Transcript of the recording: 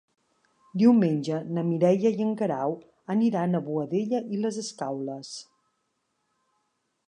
Diumenge na Mireia i en Guerau aniran a Boadella i les Escaules.